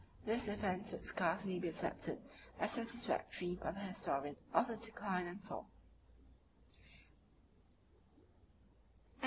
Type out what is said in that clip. This defence would scarcely be accepted as satisfactory by the historian of the Decline and Fall.